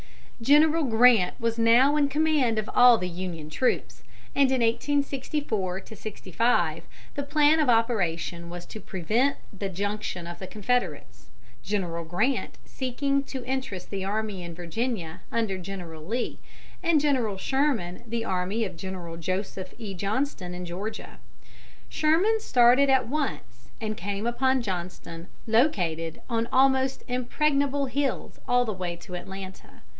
General Grant was now in command of all the Union troops, and in 1864 5 the plan of operation was to prevent the junction of the Confederates, General Grant seeking to interest the army in Virginia under General Lee, and General Sherman the army of General Joseph E. Johnston in Georgia. Sherman started at once, and came upon Johnston located on almost impregnable hills all the way to Atlanta.